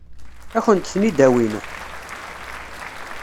Ad kent-ten-id-awin?